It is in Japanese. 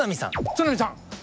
都並さん。